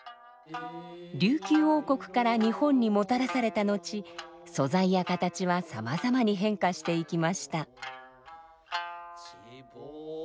琉球王国から日本にもたらされた後素材や形はさまざまに変化していきました。